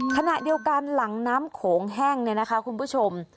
ขณะเดียวกันหลังน้ำโขงแห้งเนี่ยนะคะคุณผู้ชม